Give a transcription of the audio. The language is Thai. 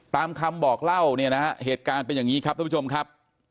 ตามคำบอกเล่าเนี่ยนะฮะเหตุการณ์เป็นอย่างนี้ครับทุกผู้ชมครับ